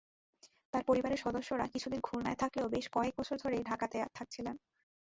তাঁর পরিবারের সদস্যরা কিছুদিন খুলনায় থাকলেও বেশ কয়েক বছর ধরে ঢাকাতেই থাকছিলেন।